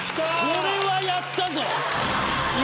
これはやったぞ！